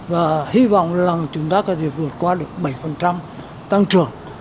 và hy vọng là chúng ta có thể vượt qua được bảy tăng trưởng